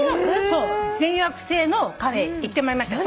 そう事前予約制のカフェ行ってまいりました。